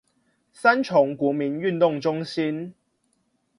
三重國民運動中心